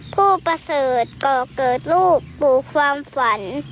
ประเสริฐก่อเกิดลูกปลูกความฝัน